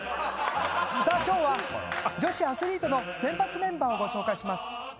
さあ今日は女子アスリートの選抜メンバーをご紹介します。